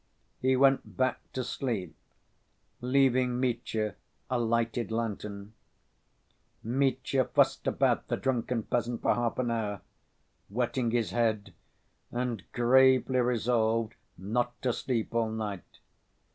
He went back to sleep, leaving Mitya a lighted lantern. Mitya fussed about the drunken peasant for half an hour, wetting his head, and gravely resolved not to sleep all night.